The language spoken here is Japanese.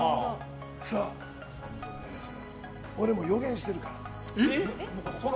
さあ、俺もう予言してるから。